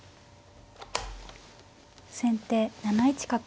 先手７一角。